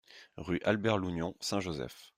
Rue Albert Lougnon, Saint-Joseph